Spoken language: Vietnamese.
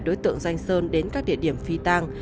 đối tượng danh sơn đến các địa điểm phi tang